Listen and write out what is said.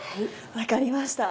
分かりました。